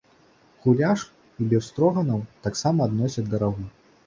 Гуляш і бефстроганаў таксама адносяць да рагу.